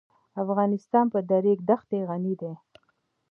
افغانستان په د ریګ دښتې غني دی.